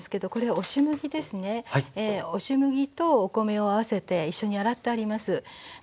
押し麦とお米を合わせて一緒に洗ってあります。